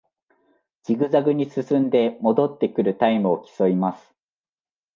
ジグザグに進んで戻ってくるタイムを競います